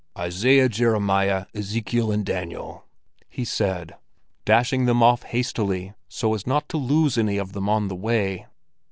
"Isaiah, Jeremiah, Ezekiel, and Daniel!" he said, dashing them off hastily, so as not to lose any of them on the way.